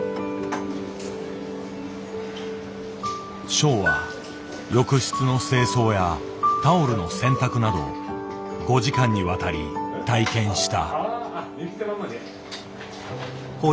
ショウは浴室の清掃やタオルの洗濯など５時間にわたり体験した。